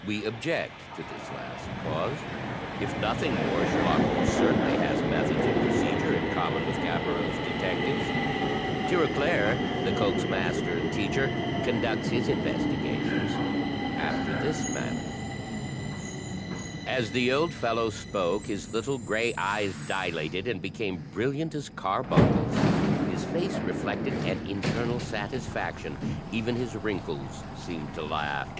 We object to this last clause. If nothing more, Sherlock Holmes certainly has methods of procedure in common with Gaboriau's detectives. Tirauclair, Lecoq's master and teacher, conducts his investigations after this manner: As the old fellow spoke, his little gray eyes dilated, and became brilliant as carbuncles. His face reflected an internal satisfaction; even his wrinkles seemed to laugh.